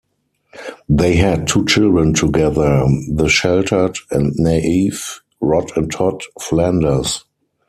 They had two children together; the sheltered and naive Rod and Todd Flanders.